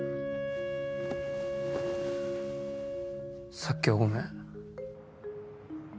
さっきはごめん。